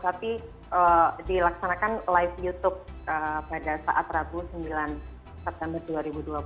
tapi dilaksanakan live youtube pada saat rabu sembilan september dua ribu dua puluh